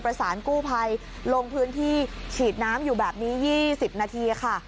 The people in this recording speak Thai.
ประสานกู้ภัยลงพื้นที่ฉีดน้ำอยู่แบบนี้๒๐นาทีค่ะ